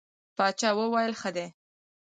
باچا وویل ښه دی.